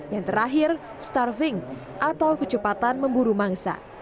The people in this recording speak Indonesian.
yang terakhir starving atau kecepatan memburu mangsa